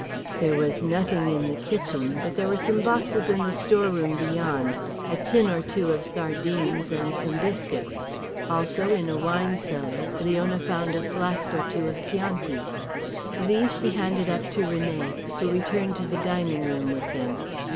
There was nothing in the kitchen, but there were some boxes in the storeroom beyond a tin or two of sardines and some biscuits. Also in a wine cellar Leona found a flask or two of Chianti. These she handed up to René, who returned to the dining room with them.